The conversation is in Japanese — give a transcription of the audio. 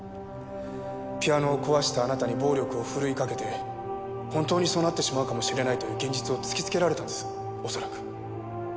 ピアノを壊したあなたに暴力を振るいかけて本当にそうなってしまうかもしれないという現実を突きつけられたんです恐らく。